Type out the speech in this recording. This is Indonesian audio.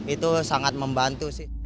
itu sangat membantu sih